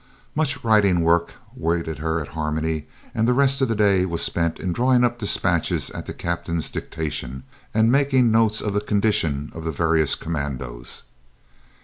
Much writing work waited her at Harmony, and the rest of the day was spent in drawing up dispatches at the Captain's dictation and making notes of the condition of the various commandos.